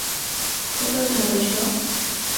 খুবই ভালো, জো।